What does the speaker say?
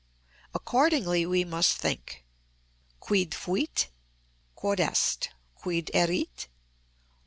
Accordingly, we must think:—Quid fuit?—Quod est. _Quid erit?